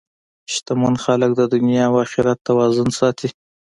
شتمن خلک د دنیا او اخرت توازن ساتي.